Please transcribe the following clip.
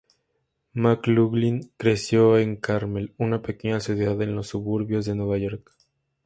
McLaughlin creció en Carmel, una pequeña ciudad en los suburbios de Nueva York.